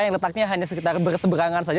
yang letaknya hanya sekitar berseberangan saja